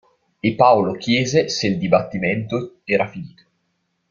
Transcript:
E Paolo chiese se il dibattimento era finito.